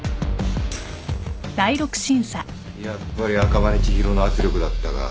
やっぱり赤羽千尋の圧力だったか。